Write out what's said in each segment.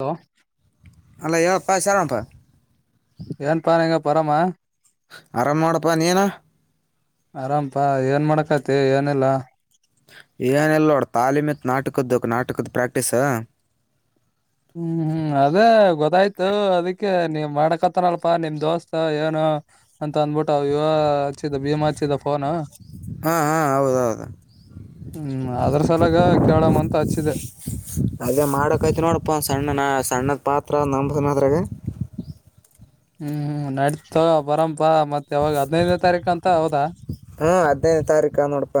Hello ಅಲ್ಲ ಯ ಅಪ್ಪಾ ಶಾರಾಮಪ್ಪ ಏನ್ ಪಾನಂಗ ಪರಾಮ ಆರಾಮ ಮಾಡಪ್ಪಾ ನೀೇನ ಆರಾಮಪಾ ಏನ್ ಮಾಡಕತಿ ಏನ್ಲ್ಲಾ ಏನೆಲ್ಲ ಅವಡ ತಾಲಿಮತ್ ನಟಕದ ನಟಕದ ಪ್ರಾಕ್ಟೀಸ ಹ್ಮ್ ಹ್ಮ್ ನೀ್ ಮಾಡಕತ್ತನಲ್ಪಾ ನಿಮ್ ದೋಸ್ತ್ ಏನು ಅಂತ ಅಂದ್ಬಿಟ್ಟ ಇವ ಹಚ್ಚಿದ ಭೀಮಾ ಹಚ್ಚಿದ ಫೋನ್ ಹಾ ಹಾ ಹೌದ ಹೌದು ಹ್ಮ್ ಅದ್ರ ಸಲಾಗ ಕೇಳಮ್ಮ ಅಂತ ಹಚ್ಚಿದೆ ಅಪ್ಪ ಒಂದು ಸಣ್ಣ ನಾ ಸಣ್ಣದ ಪಾತ್ರ ನಂಬದನದ್ರಾಗ ಹ್ಮ್ ಹ್ಮ್ ನಡತ ಪರಂ ಪ್ಪಾ ಮತ್ತ ಯಾವಾಗ ಹದ್ನೈದನೇ ತಾರೀಕು ಅಂತ ಹೌದಾ ಹಾ ಹದಿನೈದು ತಾರೀಕು ನೋಡಪ್ಪ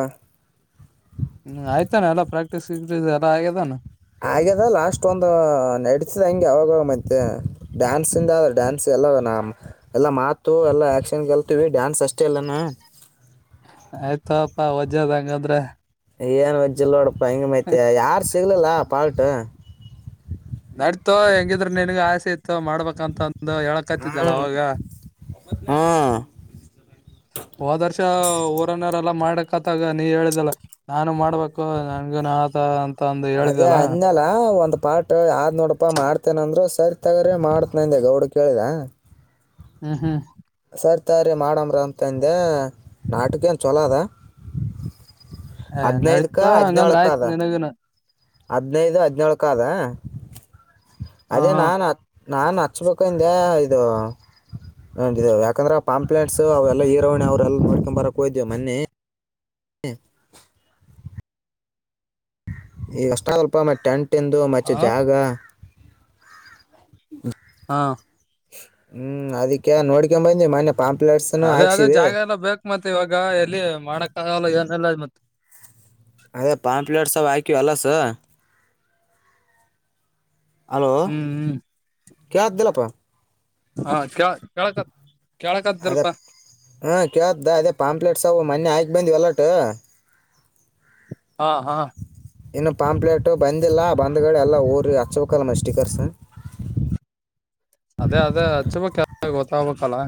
[inaudible] ಹ್ಮ್ ಆಯ್ತಾನ ಎಲ್ಲ ಪ್ರಾಕ್ಟೀಸ್ಕ್ಟೀ ಎಲ್ಲ ಆಗ್ಯದಾನ ಹಾಗದ ಲಾಸ್ಟ್ ಒಂದು ನಡ್ಸದ ಹಂಗೆ ಯಾವಾಗ ಮತ್ತೆ ಡ್ಯಾನ್ಸ್ ಇಂದ್ರ ಡ್ಯಾನ್ಸ್ ಎಲ್ಲ ನ ಎಲ್ಲ ಮಾತು ಎಲ್ಲ ಆಕ್ಷನ್ ಕಲ್ತೀವಿ ಡ್ಯಾನ್ಸ್ ಅಷ್ಟೇ ಇಲ್ಲಾನ [inaudible] ಆಯ್ತಪಾ ವಜದ ಹಂಗಂದ್ರ ಏನು ವೆಜ್ಜಲ್ಲಿ ನೋಡಪ್ಪ ಹಿಂಗೆ ಮೈತಿ ಯಾರು ಸಿಗ್ಲಿಲ್ಲ ಪಾಲ್ಟ ನಡ್ತೋ ಹೆಂಗಿದ್ರ ನನ್ಗ ಆಸೆ ಇತ್ತು ಮಾಡ್ಬೇಕಂತ ಒ ಹೇಳಕ್ತಿದ್ದಾನ ಹ್ಞೂ ಅವಾಗ [inaudible] ಹ್ಞೂ ಹದರ್ಷ ಊರನ್ನರೆಲ್ಲ ಮಾಡಕ್ತ್ತಾಗ ನೀ ಹೇಳಿದಲ್ಲ ನಾನು ಮಾಡ್ಬೇಕು ನಂಗನ್ ಆತ ಅಂತ ಅಂದು ಅದೇ ಹೇಳಿದಲ್ಲ ಅನ್ನೆಲ ಒಂದ ಪಾಠ ಆದ್ ನೋಡಪ್ಪಾ ಮಾಡ್ತೇನ ಅಂದ್ರರು ಸರಿ ತಗ್ರ ಮಾಡ್ತ ನಂದೆ ಗೌಡು ಕೇಳಿದ ಹ್ಮ್ ಹ್ಮ್ ತರ್ತಾರಿ್ರೀ ಮಾಡಮ್ರ ಅಂತಂದೆ ನಾಟಕೇನು ಚಛಲೋ ಅದ ಏ ಹದ್ಿನೈದಕ ನಡೀತ ಹಂಗಂದ್ರ ಹದ್ಿನಾಲ್ಕ ಆಯ್ತ್ ಅದ ನಿನಗನ ಹದಿನೈದು ಹದಿನೇಳಳುಕದಾ ಹ ಅದೇ ನಾು ಹತ್ ನಾು ಹಚ್ಬೇಕುಿಂದೆ ಇದು ಯಾಕಂದ್ರ ಆ ಪಂಪ್ಲೇಟ್ಸ್ ಅವೆಲ್ಲಾ ಈರೋಣಿ ಅವ್ರಲ್ಲಾ ನೋಡ್ಕೊಂಡ್ ಬರಕ್ ಹೋಯ್ದೇವಿ ಮೊನ್ನಿ ಹ್ಮ ಈಷ್ಟಾಗಲ್ಪ ಮತ್ತೆ ಟೆಂಟಂದು ಮತ್ತೆ ಹಾ ಜಾಗ [inaudible] ಹಾ ಹ್ಮ್ ಅದಕ್ಕೆ ನೋಡ್ಕೊ ಬಂದಿ ಮನ್ಯ ಅದೇ ಅದೇ ಜಾಗ ಎಲ್ಲ ಬೇಕ್ ಮತ್ತೆ ಇವಾಗ ಎಲ್ಲಿ ಮಾಡಕ್ಕಾಗಲ್ಲ ಏನಿಲ್ಲ ಮತ್ತ ಕೆಲಸ ಹ್ಮ್ ಹ್ಮ್ ಕ [unintelligible] ಲಪ್ಪ ಹಾ ಕೆ ಕೆಳಕತಿ ಅದೇ ಹಾ ಕೇಳ್ದ ಅದೇ ಪಾಂಪ್ಲೆಟ್ಸ್ವು ಮೊನ್ನೇ ಹಾಕಿ ಬಂದ್ ಎಲ್ಲ ಟ ಹಾ ಹಾ ಇನ್ನು ಪಾಂಪ್ಲೇಟ್ ಬಂದಿಲ್ಲ ಬಂದ್ಗಡೆ ಎಲ್ಲ ಊರಿ ಹಚ್ಬೇಕಲ್ಲಮ್ಮ ಸ್ಟೀಕರ್ಸ್ [inaudible] ಅದೇ ಅದೇ ಹಚ್ಚಬೇಕ್ ಗೊತ್ತಾಗ್ಬೇಕಲ್ಲ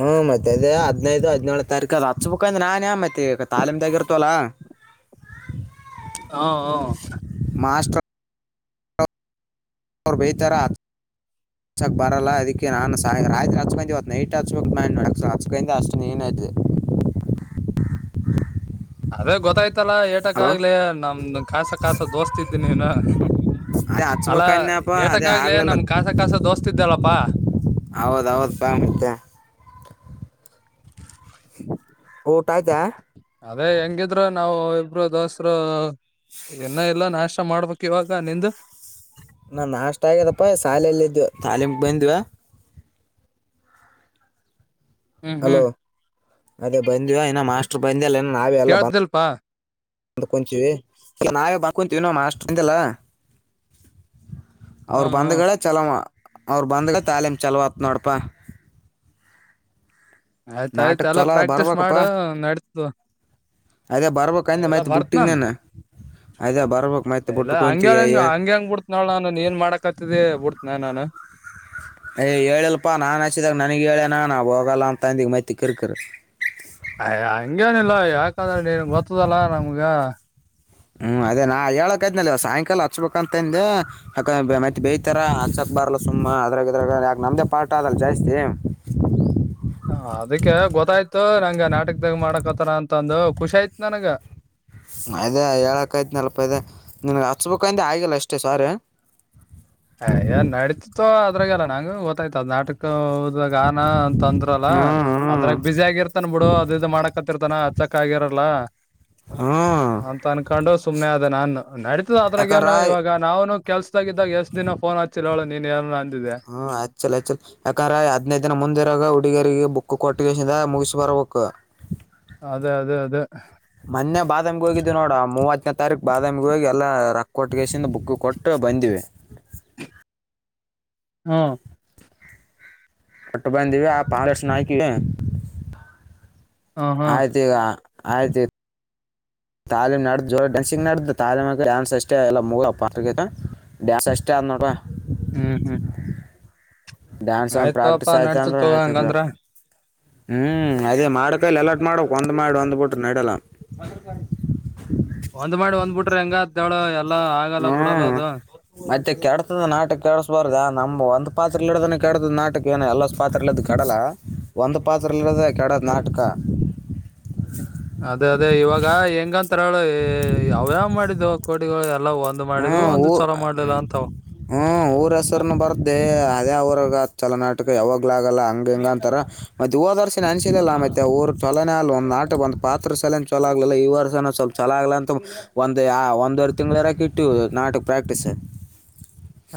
ಹ್ಮ್ ಮತ್ತೆ ಅದೇ ಹದಿನೈದು ಹದಿನೇಳು ತಾರೀಕ ಅಲ್ಲಿ ಹಚ್ಬೇಕುಂದೆ ನಾನನ್ಯ ಮತ್ತೆ ಈಗ ತಾಲಿಮ್ದಾಗಿ ಇರ್ತಲ್ಲಾ [inaudible] ಹ ಹ ಮಾಸ್ಟರ್ ಅವ್ರು ಬೈತಾರಾ ಹಚ್ಚಕ್ಕೆ ಬರಲ್ಲ ಅದಕ್ಕೆ ನಾನ್ ರಾತ್ರಿ ಹಚ್ಕೊಂಡೆ ಇವತ್ ನೈಟ್ ಹಚ್ಬೇಕು ಹಚ್ಕೊಂಡ್ ಅಷ್ಟು ಏನ ಇದು [inaudible] [inaudible] ಅದೇ ಗೊತ್ತಾಯ್ತು ಆಯ್ತಲಾ ಏಟಕ್ ಅಲ್ವಾ ಆಗ್ಲಿ ನಮ್ದ ಕಾಸ ಕಾಸ ದೋಸ್ತ ಇದ ನೀನು ಅದೇ ಅಲ್ಲಾ ಹಚ್ಬೇಕನ್ನಪ್ಪ ಏಟಕ್ಕ ಅದೇ ಆಗ್ಲೆ ಆಗ್ಲಿಲ್ಲ ನಮ್ ಕಸ ಕಾಸ ದೋಸ್ತ ಇದ್ದಲ್ಲಪ್ಪಾ ಹೌದ ಹೌದ ಬ ಮತ್ಯ [inaudible] ಊಟ ಆಯ್ತಾ ಅದೇ ಹೆಂಗಿದ್ರ ನಾವು ಇಬ್ರು ದೋಸ್ತ ಇನ್ನೂ ಇಲ್ಲ ನಾಷ್ಟ ಊಟ ಮಾಡ್ಬೇಕು ಇವಾಗ ನಿಂದು ನಾ ನಾಷ್ಟ ಆಗ್ಯದಪ್ಪ ಶಾಲೆಯಲ್ಲಿ ಇದವ ತಾಲಿಮ ಬಂದಿವ್ ಹ್ಮ್ ಅಲೋ ಹ್ಮ್ ಅದೇ ಬಂದವ ಇನ ಮಾಸ್ಟರ್ ಬಂದ್ಯ ಇಲ್ಲಾ ನಾವೇ ಎಲ್ಲ ಬಂದ ಕೇಳ್ತಿಲ್ಪಾ ಕೂತ್ಕಂಡಿದಿವಿ ನಾವೇ ಬಂದು ಕುಂತೀವಿ ಮಾಸ್ಟರ್ ಇಲ್ಲ ಅಲ್ಲ ಹ್ಮ ಅವರು ಹ್ಮ ಬಂದ್ಗಳ ಚಲೋ ಅವರು ಬಂದ್ಗಳ ತಾಲೀಮ್ ಚಲೋತು ನೋಡಪ್ಪ ನಾಟಕ ಆಯ್ತಾಯಯ್ತು ಎಲ್ಲ ಚಲೋ ಅದ ಪ್ರಾಕ್ಟೀಸ್ ಬರ್ಬೇಕಪ್ಪ ಮಾಡ ನಡಿತು ಅದೇ ಬರ್ಬೇಕಂದೆ ಮೈತ್ ಬಿುಟ್ಟಿ ಗೆನ ಇಲ್ಲಾ ಹಂಗ್ಯಂಗ ಏ ಹಂಗ್ಯಾಂಗ್ ಬಿಡ್ತನಾಳ ನಾನ್ ಏನ್ ಮಾಡಕ್ತಿದ ಬಿಡ್ತನ ನಾನು [inaudible] [unintelligible] ಯ್ ಹೇಳಲ್ಪಾ ನಾನ್ ಹಚ್ಚಿದಾಗ ನನಗೆ ಹೇಳೇನಾ ನಾವು ಹೋಗಲ್ಲ ಅಂತಂದಿ ಮೈ [unintelligible] ಅ ಹಂಗೇನಿಲ್ಲ ಯಾಕದ್ರ ನೀನ್ ಗೊತ್ತದಲ್ಲ ನಮ್ಗ ಹ್ಮ್ ಅದೇ ನಾ ಹೇಳಕ್ ಆಯ್ನಲ್ ಸಾಯಂಕಾಲ ಹಚ್ಬೇಕಂತಂದ ಅ ಮತ್ತತ್ ಬೈತರ ಹ ಬರ್ಲ ಸುಮ್ಮ ಅದ್ರಾಗ ಇದ್ರಾಗ ಯಾಕೆ ನಮ್ದೇ ಪಾಠ ಆದಲ್ಲಿ ಜಾಸ್ತಿ [inaudible] ಹಾ [unintelligible] ಗೊತ್ತಾಯ್ತು ನಂಗೆ ನಾಟಕದಾಗ ಮಾಡಕತ್ತಾರ ಅಂತಂದು ಖುಷಿ ಆಯತ್ ನನಗ ಅದೆ ಹೇಳಕೈತು ನೆಲ್ಪೈದೆ ನಿನಗೆ ಹಚ್ಬೇಕಂದೆ ಆಗಿಲ್ಲ ಅಷ್ಟೇ ಸಾರಿ ಅಯಯ ನಡೀತಿತ್ತು ಅದ್ರಾಗೆಲ್ಲ ನಂಗ ಗೊತ್ತಾಯ್ತ ಅದ್ ನಾಟಕ ಇವಾಗಾ ನ ಅಂತ ಅಂದ್ರಲ್ಲ ಹ್ಮ್ ಹ್ಮ್ ಅದ್ರಾಗ ಬಿಸಿ ಆಗಿರ್ತಾನನ್ ಬಿಡು ಅದು ಇದು ಮಾಡಕತ್ತರ್ತಾನ ಅಚಕ್ ಆಗಿರಲ್ಲ ಹ್ಮ್ ಬಾ ಅಂತ ಅನ್ಕೊಂಡು ಸುಮ್ನೆ ಆದ ನಾನು ನಡತ ಅದ್ರಾಗ ಯಾಕಂದ್ರ ನು ಇವಾಗ ನಾವಾನನು ಕೆಲ್ಸದಾಗಿದ್ದಾಗ ಎಷ್ಟ ದಿನ ಫೋನ್ ಹಚ್ಚಿಲ್ಲ ಅವಳು ಹ್ಮ್ ಆ್ಚ್ಚಲ ಆ ಚಲ್ ಯಾಕಂದ್ರೆ ಹದ್ನೈದ ದಿನ ಮುಂದಿರಾಗ ಹುಡುಗರಿಗೆ ಬುಕ್ ಕೊಟ್ಟು ಗ ಮುಗಿಸಿ ಬರ ಬೇಕು ಅದೇ ಅದೇ ಮೊನ್ನೆ ಬಾದಾಮಿಗೆ ಹೋಗಿದ್ದು ನೋಡ ಮೂವತ್ತನೇ ತಾರೀಕು ಬಾದಾಮಿಗೆ ಹೋಗಿ ಎಲ್ಲಾ ಕೊಟ್ಗೇಶೇನ್ ಬುಕ್ಕ ಕೊಟ್ಟು ಬಂದಿವಿ ಹ್ಮ ಕೊಟ್ಟು ಬಂದಿವಿ ಆ ಪಾಳಷ್ಟ್ನಾಕಿ ಹ್ಮ್ ಹ್ಮ್ ಆಯ್ತ ಈಗ ಆಯ್ತಿ ತಾಲೀಮ್ ನಡ್ದ ಜೋರ ಡ್ಯಾನ್ಸಿಂಗ್ ನಡ್ದ ತಾಲೀಮ ಡಾನ್ಸ್ ಅಷ್ಟ ಎಲ್ಲ ಮೂಲ ಡ್ಯಾನ್ಸ್ ಅಷ್ಟ ಕನ್ನಡ ಹ್ಮ್ ಹ್ಮ್ ಡ್ಯಾನ್ಸ್ ಒಂದ್ ಪ್ರಾಕ್ಟೀಸ್ ಆಯ್ತಪಾ ಆಯ್ತಂದ್ರ ನಡ್ಸತ್ ತಗೋ ಆಯ್ತಕ ಹಂಗಂದ್ರ ಹ್ಮ್ ಅದೇ ಮಾಡು ಕೈಲೆ ಎಲ್ಲ ಮಾಡ್ಬಕ್ ಒಂದ್ ಮಾಡಿ ಒಂದ್ ಬಿಟ್ರೆ ನಡೆಲ್ಲ ಒಂದ್ ಮಾಡಿ ಒಂದ್ ಬುಟ್ರೆ ಹೆಂಗಾತ್ ನೋಡು ಎಲ್ ಹ್ಮ್ ಮತ್ತೆ ಕೆಡ್ತದ ನಾಟಾಕೆಡಸ್ಬಾರ್ದ ನಮ್ ಒಂದ್ ಪಾತ್ರಲ್ ಇಡದ ಕೆಡ್ತದ್ ನಾಟಕ ಏನ ಎಲ್ಲ ಪಾತ್ರ ಇಡದ ಕೆಡಲ್ಲ ಒಂದು ಪಾತ್ರಲ್ ಇಡದ ಕೆಡದ್ ಹ್ಮ್ ನಾಟಕ ಅದೇ ಅದೇ ಇವಾಗ ಹೆಂಗಂತರೇಳು ಏ ಅವ್ಯಾವ್ ಮಾಡಿದಾವ್ ಕೋಡಿಗಳು ಎಲ್ಲ ಒಂದ್ ಮಾಡಿದ್ವು ಹ್ಮ್ ಒಂದ್ ಊ ಚಲೋ ಮಾಡ್ಲಿಲ್ಲ ಅಂತಾವ ಹ್ಮ್ ಊರ ಹೆಸರ್ನು ಬರ್ದೇ ಅದ್ಯಾಊರಗಾ ಚುಲೋ ನಾಟಕ ಯಾವಾಗ್ಲಾಗಲ್ಲ ಹಂಗ್ ಹಿಂಗ್ ಅಂತಾರ ಮತ್ತೆ ಹೋದ್ವರ್ಸಿನ ಅನ್ಸಿದ್ವಲ್ಲ ಮತ್ತೆ ಊರ್ ಚುಲೋನೆ ಅಲ್ ಒ ನಾಟಕ್ ಒಂದ್ ಪಾತ್ರದ್ ಸಲಾಗಿ ಚುಲೋ ಆಗಿರ್ಲಿಲ್ಲ ಈ ವರ್ಷ ಸ್ವಲ್ಪ ಚುಲೋ ಆಗ್ಲಂತ ಒಂದ್ ಒಂದು ವರಿ ತಿಂಗ್ಳ ಇರಕ ಇ ಟಿವಿ ನಾಟಕ್ ಪ್ರಾಕ್ಟಿಸ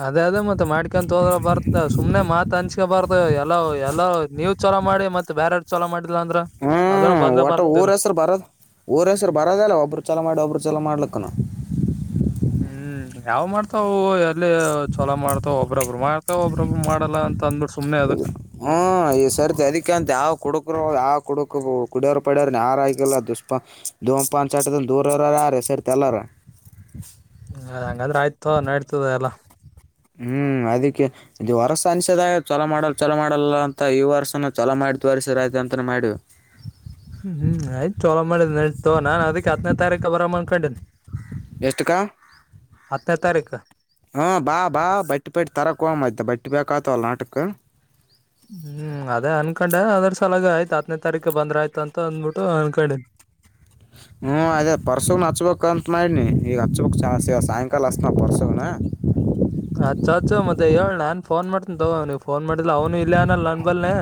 ಅದೇ ಅದೇ ಮತ್ತೆ ಮಾಡ್ಕ್ಯಂತೋದ್ರ ಬರ್ತ ಸುಮ್ನೆ ಮಾತ್ ಅನ್ಸ್ಗೇ ಬಾರ್ದ ಎಲ್ಲವ್ ಎಲ್ಲವ್ ನೀವ್ ಚಲೋ ಮಾಡಿ ಮತ್ತೆ ಬ್ಯಾರೆರು ಚುಲೋ ಮಾಡಿಲ್ಲ ಅಂದ್ರ ಅದನ್ ಹೂಂ ಒಟ್ಟ ಊರ ಹೆಸರು ಬರೋ ಊರ ಹೆಸರು ಬರೋದ ಇಲ್ಲ ಒಬ್ಬ್ರು ಚುಲೋ ಮಾಡಿ ಒಬ್ಬರು ಚೊಲೋ ಮಾಡ್ಲಿಕ್ಕನು ಹ್ಮ್ ಯಾವ್ ಮಾಡ್ತಾವ ಎಲ್ಲಿ ಚುಲೋ ಮಾಡ್ತಾವ ಒಬ್ರೊಬ್ರು ಮಾಡ್ತಾವ ಒಬ್ ಹ್ಮ್ ಈ ಸರ್ತಿ ಅದಕ್ಕೆ ಅಂತ ಯಾವ ಕುಡುಕರು ಯಾವ್ ಕುಡಕ ಕುಡಿಯೋರ್ ಪಡ್ಯಾವ್ರನ ಯಾರ ಆಕಿಲ್ಲದುಸ್ಪ ಧೂಮಪಾನ ಚಟದಿಂದ ದೂರ ಇರೋರು ಯಾರ ಈ ಸರ್ತೀ ಎಲ್ಲಾರ ಹ ಹಾ ಹಂಗಂದ್ರ ಆಯ್ತುಗೊ ನಡ್ತದ ಎಲ್ಲ ಹ್ಮ್ ಅದಕ್ಕೆ ಇದು ವರ್ಸ ಅನ್ಸದಾಗ ಚೊಲೋ ಮಾಡಲ್ ಚೊಲೋ ಮಾಡಲ್ಲ ಅಂತ ಈ ವರ್ಷನ ಚೊಲೋ ಮಾಡ್ ತೋರ್ಷೀದ್ರಾತಂತ ಮಾಡೀವಿ ಹ್ಮ್ ಹ್ಮ್ ಆಯ್ತ ಚೊಲೋ ಮಾಡಿದ್ ನಡೀತ ತುಗೋ ನಾನ ಅದಕ್ಕೆ ಹತ್ನೇ ತಾರೀಖ ಬರಂ ಅನ್ಕಂಡೆ ಎಷ್ಟಕ್ಕ ಹತ್ತ್ನೇ ತಾರೀಕ ಹಾ ಬಾ ಬಾ ಬಟ್ಟಿ ಪಟ್ಟೀ ತರಾಕ್ ಹೋಗಮ್ ಬಟ್ಟಿ ಬೇಕ ಆತಾವಲ್ಲ ಆಟಕ್ಕ ಹ್ಮ್ ಅದೇ ಅನ್ಕೊಂಡೆ ಅದ್ರ ಸಲಾಗ ಆಯ್ತು ಹತ್ತನೇ ತಾರೀಕು ಬಂದ್ರ ಆಯ್ತ ಅಂತ ಅಂದ್ಬಿಟ್ಟು ಅನ್ಕೊಂಡೆ [inaudible] ಹ್ಮ್ ಅದೆೇ ಪರ್ಸೂನ ಹಚ್ಬೇಕ್ ಅಂತ ಮಾಡೀನಿ ಈಗ ಹಚ್ಬೇಕ್ ಸಾಯಂಕಾಲ ಪಾ ಪರಶುನ ಹಚ್ಚ ಮತ್ತೆ ಹೇಳ್ ನಾನ್ಫೋನ್ ಮಾಡ್ತನ ತಗೋ ಅವ್ನೀಗೆ ಫೋನ್ ಮಾಡಿಲ್ಲ ಅವನು ಇಲ್ಲೆ ಅವ್ನಲ್ಲ ನನ್ ಬಲ್ನೆ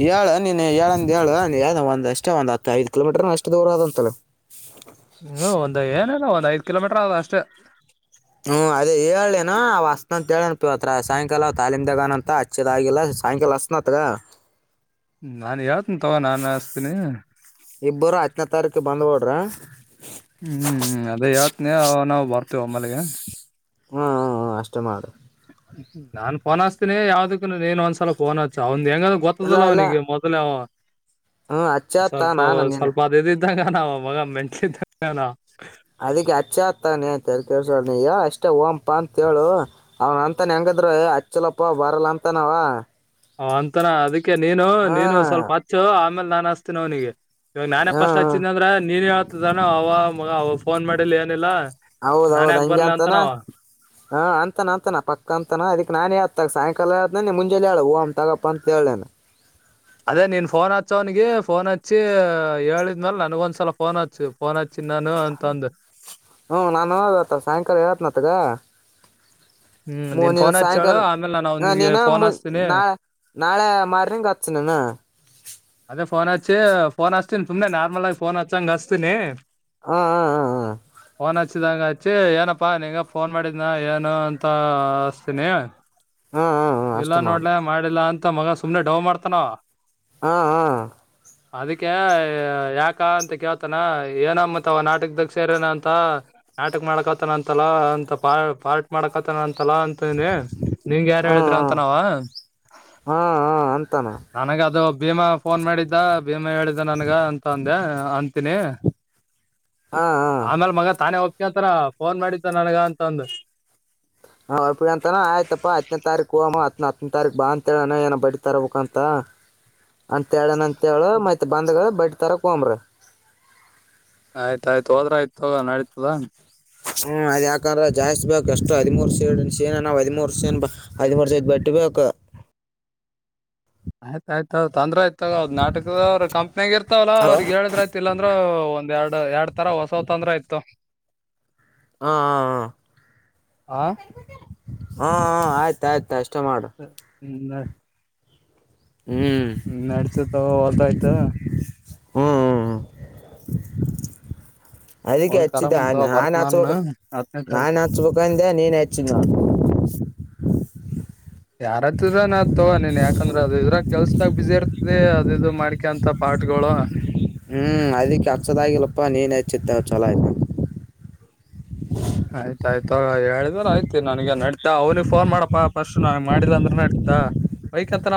ಹೇಳ ನೀನ್ ಹೇಳಂದ ಹೇಳ ಒಂದ ಅಷ್ಟೇ ಒಂದ್ ಹತ್ ಐದು ಕಿಲೋಮೀಟರ್ ಅಷ್ಟ್ ದೂರ ಆದಂತಲ್ಲ ಹ್ಮ ಒಂದ್ ಏನೇನ ಒಂದ್ ಐದ್ ಕಿಲೋಮೀಟರ್ ಆದ ಅಷ್ಟೇ ಹ್ಮ್ ಅದೇ ಹೇಳ್ಲೇನ ಅವ ಹಸ್ತನ ಅಂತ ಹೇಳನ ಇವತ್ತು ರಾ ಸಾಯಂಕಾಲ ತಾಲಿಮ್ದಾಗದಾನಂತ ಹಚ್ಚದಾಗಿಲ್ಲ ಸಾಯಂಕಾಲ ಹಚ್ಚ್ತನಾತಗ ನಾನ್ ಹೇಳ್ತನ್ ತಗೋ ನಾನ್ ಹಚ್ತೀನಿ ಇಬ್ಬರು ಹತ್ನೇ ತಾರೀಕು ಬಂದ್ಬಿ ಡ್ರ ಹ್ಮ್ ಅದೇ ಹೇಳತ್ನಿ ನಾವ ಬರ್ತೇವ ಒಮ್ಮಲೆಗೆ ಹ್ಮ್ ಹ್ಮ್ ಹ್ಮ ಅಷ್ಟೇ ಮಾಡು ನಾನ್ ಫೋನ್ ಹಾಸ್ತೀನಿ ಯಾವ್ದುಕ್ಕೂ ನೀನ್ ಒಂದ್ಸಲ ಫೋನ್ ಹಚ್ಚು ಅವ್ ಹೆಂಗಂದ ಇಲ್ಲ ಗೊತ್ತದಲ್ಲ ಇಲ್ಲ ಅವನಿಗೆ ಮೊದ್ಲ ಅವ ಹ್ಮ್ ಹಚ್ಚ ಅತ್ತ ಸ್ವಲ್ಪ ನಾನ ನೀನು ಸ್ವಲ್ಪ ಅದಿದಿ ಆ ನನ್ ಮಗ ಮೆಂಟಲ್ ಇದ್ದಂಗ ಅವ್ನ ಅದಿಕ್ಕೆ ಅಚ್ಚ ಅತ್ತಾನೆ ತಲೆ ಕೆಡಿಸ್ಕೋಬೇಡ ನೀ ಹೇಳು ಅಷ್ಟೇ ಓಂಪಾ ಅಂತೇಳು ಅವನ ಅಂತಾನ ಹೆಂಗ ದ್ರ ಹಚ್ಚೆಲಪ್ಪ ಬರಲ್ಲ ಅಂತಾನವ ಹಾ ಅಂತಾನ ಅದಕ್ಕೆ ನೀನು ನೀನು ಸ್ವಲ್ಪ ಹಚ್ಚು ಆಮೇಲ್ ನಾನ್ ಹಸ್ತೀನ ಅವನಿಗೆ ಇವಾಗ್ ನಾನೇ ಹಾ ಪಸ್ಟ್ ಹಚ್ಚಿದ್ದ ಅಂದ್ರ ನೀನ್ ಹೇಳ್ತಿದ್ದಾನ ಅವ ಮಗ ಅವ ಫೋನ್ ಮಾಡಿಲ್ಲ ಏನಿಲ್ಲಾ ನಾನ್ ಹೌದೌದ ಯಾಕ್ ಹಂಗೆ ಬರ್ಲಿ ಅಂತಾನ ಅಂತನವ ಹಾ ಅಂತಾನ ಅಂತಾನ ಪಕ್ಕ ಅಂತನ ಅದಕ್ ನಾನೇ ಆ ಸಾಯ ಲ್ಲ ಮುಂಜೆ ಲ ಹೇಳು ಹೊಂಟಾಗಪ್ಪ ಅಂತ ಹೇಳುನ ಅದೇ ನೀನ್ ಫೋನ್ ಹಚ್ಚವನಿ ಫೋನ್ ಹಚ್ಚಿ ಹೇಳಿದ್ಮೇಲ ನನ್ಗ ಒಂದ್ಸಲ ಫೋನ್ ಹಚ್ಚು ಫೋನ್ ಹಚ್ಚಿ ಚನ್ನಾನು ಅಂತ ಅಂದೆ ಹ್ಞೂ ನಾನು ಹ ಸಾಯಂಕಾಲ ಹೇಳತ್ನಾಗ ಹ್ಮ್ ಹ ನೀನ್ ನೀನು ಫೋನ್ ಹಚ್ಚಿ ಹೇಳು ಸಾಯಂಕಾಲ್ ಆಮೇಲೆ ನಾನು ಅವನಿಗೆ ನೀನು ಫೋನ್ ಮು ಹಚ್ತೀನಿ ನಾ ನಾಳೆ ಮಾರ್ನಿಂಗ ಹಚ್ದೇನಾ ಅದೇ ಫೋನ್ ಹಚ್ಚಿ ಫೋನ್ ಹಚ್ತಿನಿ ಸುಮ್ನೆ ನಾರ್ಮಲ್ ಆಗಿ ಫೋನ್ ಹಚ್ಚಂಗ ಹಸ್ತನಿ ಹಾ ಹಾ ಹಾ ಹಾ ದಂಗ ಹಚ್ಚಿ ಏನಪ್ಪಾ ನಿಂಗ ಫೋನ್ ಮಾಡಿದ್ನ ಏನು ಅಂತ ಅಸ್ತೀನಿ ಹಾ ಹಾ ಹಾ ಇಲ್ಲ ಅಷ್ಟೇ ಮಾಡು ನೋಡ್ಲೆ ಮಾಡಿಲ್ಲ ಅಂತ ಮಗ ಸುಮ್ನೆ ಡವ್ ಮಾಡ್ತಾನಾವ ಹಾ ಹಾ ಅದಕ್ಕೆ ಯಾಕ ಅಂತ ಕೇಳ್ತಾನ ಏನಮ್ಮತ್ ಅವ ನಾಟಕದಾಗ ಸೇರನ ಅಂತ ನಾಟಕ ಮಾಡಕತನ ಅಂತಲ್ಲ ಅಂತ ಪಾ ಪಾರ್ಟ್ ಮಾಡಕತನ ಅಂತಲ್ಲ ಅಂತನಿ ನಿಂಗ ಯಾರ ಹಾ ಹೇಳಿದ್ರ ಹಾ ಅಂತ ನಾವ ಹಾ ಹಾ ಅಂತಾನ ನನಗ ಅದು ಭೀಮಾ ಫೋನ್ ಮಾಡಿದ್ದ ಭೀಮಾ ಹೇಳಿದ್ದ ನನ್ಗ ಅಂತ ಅಂದೆ ಅಂತೀನಿ ಹಾ ಹಾ ಆಮೇಲ್ ಮಗ ತಾನೇ ಹೋಗ್ತತ್ತಾರ ಫೋನ್ ಮಾಡತ್ತ ನನ್ಗ ಅಂತಂದು ಹ ಅಪ್ಪಿ ತಾರಕ್ ಬಾ ಅಂತ ಹೇಳಣ ಏನ ಬಟ್ ತರ್ಬೇಕಕ್ ಅಂತ ಅಂತ ಹೇಳಣ ಮ ಮತ್ತ್ ಬಂದ ಬಟ್ ತರ ಕೊಂಬ್ರ ಆಯ್ತಾಯಯ್ತ ಹೋದ್ರ ಆಯ್ತಗ ನಡೀತದ [unintelligible] ಹ್ಮ್ ಅದ ಯಾಕಂದ್ರೆ ಜಾಸ್ತಿ ಬೇಕಕ್ ಎಷ್ಟು ಹದಿಮೂರು ಸೇಡ್ ಸೇನಾ ನಾ ಹದಿಮೂರು ಸೇ ಹದಿಮೂರ್ ಸ ಬಟ್ಟ ಇವಾಗಾಗ [inaudible] [inaudible] [unintelligible] ಆಯ್ತು ಆಯ್ತು ತಂದ್ರೆ ಆಯ್ತು ನಾಟಕದ ಅವ್ರ ಕಂಪ್ನಿಯಾಗ ಇರ್ತಾವಲ್ಲ ಹಲೋ ಅವ್ರಗ್ ಎರಡ್ರ ಆ್ತಲ್ಲ ಅಂದ್ರೆ ಒಂದ್ ಎರಡು ಎರಡ್ ತರ ಹೊಸವ್ ತೊಂದ್ರೆ ಆಯ್ತು ಹಾ ಹ ಆ [inaudible] ಹ ಹಾ ಆಯ್ತ ಆಯ್ತು ಅಷ್ಟೇ ಚ ಮಾಡು ಹ್ಮ [unintelligible] ಹ್ಮ್ ನಡ್ಸತವ ಹೊಲ್ದ ಆಯ್ತ ಹ್ಮ್ ಹ್ಮ್ ಅದಕ್ಕೆ ಹೋಗ್ ಹಚ್ಚಿದೆ ತರಮಂತ ಆ ಬರ್ತ್ ನಾನ್ ನಾಚುವಗ ಹತ್ತನೇ ತಾರೀಕು ನಾನ್ ಹಚ್ಬೇಕಂದೆ ನೀನ್ ಹಚ್ಚಿದ ನ ಯಾರತ್ಿದ್ರ ನಾ ತಗ ನೀನ್ ಯಾಕಂದ್ರ ಅದು ಇದ್ರ ಕೆಲ್ಸದಾಗ ಬಿಸಿಿ ಇರ್ತ ಅದ ಇ ಮಾಡ್ಕೆ ಅಂತ ಪ [unintelligible] ಪಾಟ್ಕೋಳ ಹ್ಮ್ ಅದಕ್ಕೆ ಹಸದಾಗಿಲ್ಲಪ್ಪಾ ನೀನ್ೇಚ್ಚಿತ್ತ ಚಲೋ ಆಯ್ತ ಆಯ್ತಾಯ್ತು ಹೇಳಿದ್ರ ಆಯ್ತಿ ನನಗೆ ನಡತ ಅವ್ನಿಗೆ ಫೋನ್ ಮಾಡಪ್ಪಾ ಪರ್ಸ್ಟ್ ನನ್ ಮಾಡಿಲ್ಲಾ ಅಂದ್ರೆ ನಡತ ಕುತ್ತ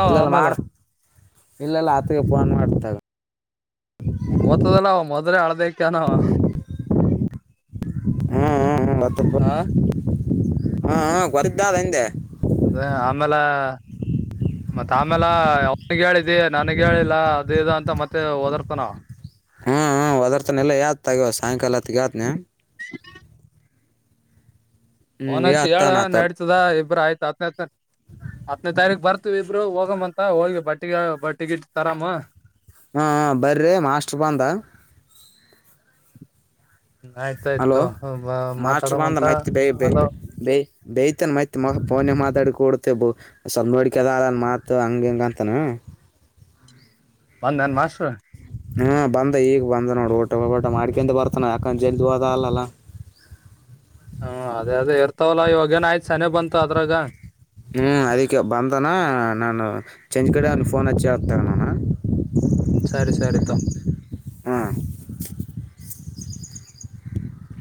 ಇಲ್ಲೆಲ್ಲ ಮಾಡ ಇಲ್ಲೆಲ್ಲ ಆತ್ಗೆ ಫೋನ್ ಮಾಡತಾಗ ಗೊತ್ತದಲ್ಲ ಮೊದ್್ರ ಅಳ್ದಕ್ಕನ [inaudible] ಹ್ಮ್ ಹ್ಮ್ ಹ್ಮತ್ತ ಹ ಹ ಕೊರಿದ್ದ ಅ ಹಿಂದೆ ಅದೇ ಆಮೇಲೆ ಮತ್ತ ಆಮೇಾಲ ಅವನಿಿಗೆ ಹೇಳಿದ್ದಿ ನನಗ ಹೇಳಿಲ್ಲ ಅದ ಇ ಅಂತ ಮತ್ತೆ ಓದರ್ತಾನ ಹ್ಮ್ ಹ ವದಾರ್ತನೆ ಎಲ್ಲ ಯತ್ ತಗವ ಸಾಯಂಕಾಲ ಹತ್ತಗ ಯತ್ ನೀ [inaudible] ಹ್ಮ್ ನಂಚ ಹೇಳ ಯಾತ್ತಾನ ಆತ ನಡತದ ಇಬ್ಬ್ರ ಆಯ್ತ್ ಹತ್ನ ಹತ್ ಹತ್ತನೈದು ತಾರೀಕ ಬರ್ತ ಇಬ್ರು ಹೋಗಮ್ಮ ಅಂತ ಹೋಗಿ ಬಟ್ಟಿಗೆ ಬ ಟಿಕಿಟ್ ತರಾಮ ಹಾ ಬರ್ರಿ ಮಾಸ್ಟರ್ ಬಂದ. ಹಲೋ ಆಯ್ತಾಯ್ತು ಮಾಸ್ಟರ್ ಬಂದ ಮಾತಾಡಮಂತ ಮ ಬ ಬ ಹಲೋ ಬ ನ್ ಮೈತ್ಫೋನ ಮಾತಾಡ ಕಡ್ತೇ ಸ್ವಲ್ಪ ನೋಡಿಕದನ್ ಮಾತ್ ಹಂಗ ಹೆಂಗ ಅಂತನ್. ಒಂದ್ ನನ್ ಮಾಸ್ರ್ ಹ್ಮ ಬಂದ ಈಗ ಬಂದ ನೋಡ್ ಊಟಬಊಟ ಮಾಡ್ಕೊಂಡ ಬರ್ತಾನ ಯಾಕಂದ ಜಲ್ದ ಹೋದ ಅಲ್ಲಲ್ಲಾ ಹ್ಮ ಅದೇ ಅದೇ ಇರ್ತವಲ್ಲ ಇವಾಗ ಏನ ಆಯ್ತು ಚನ ಬಂತು ಅದ್ರಾಗ ಹ್ಮ್ ಅದಕ್ಕೆ ಬಂದನಾ ನಾನು ಚೆಜ ಕಡೆ ಅನ್ ಫೋನ್ ಹಚ್ಚಿ ಹಕ್ತಣಣ ್ಮ ಸರಿ ಸರಿ ತ ಹಾ